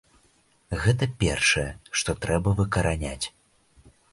Гэта першае, што трэба выкараняць.